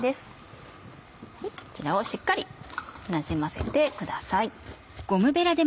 こちらをしっかりなじませてください。